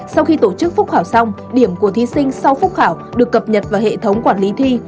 sau khi tổ chức phúc khảo xong điểm của thí sinh sau phúc khảo được cập nhật vào hệ thống quản lý thi